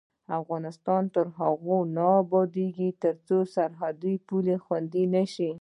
افغانستان تر هغو نه ابادیږي، ترڅو سرحدي پولې خوندي نشي.